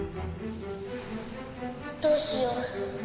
どうしよう。